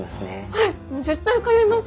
はい絶対通います。